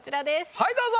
はいどうぞ！